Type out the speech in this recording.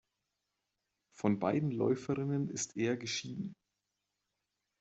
Von beiden Läuferinnen ist er geschieden.